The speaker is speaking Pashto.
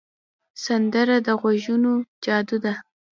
سندره د غږونو جادو ده